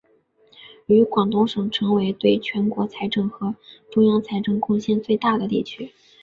与广东省成为对全国财政和中央财政贡献最大的地区。